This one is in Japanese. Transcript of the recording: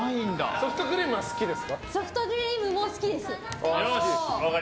ソフトクリームは好きですか？